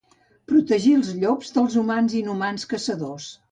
Protegir els llops dels humans inhumans caçadors